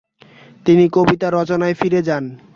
তিনি কবিতা রচনায় ফিরে যান।